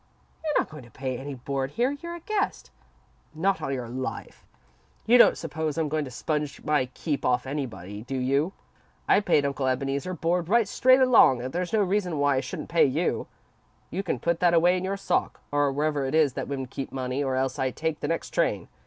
"You're not going to pay any board here. You're a guest." "Not on your life. You don't suppose I'm going to sponge my keep off anybody, do you? I paid Uncle Ebeneezer board right straight along and there's no reason why I shouldn't pay you. You can put that away in your sock, or wherever it is that women keep money, or else I take the next train.